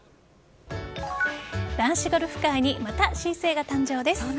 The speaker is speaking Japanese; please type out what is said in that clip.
男子ゴルフ界にまた新星が誕生です。